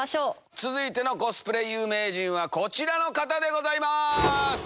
続いてのコスプレ有名人はこちらの方でございます。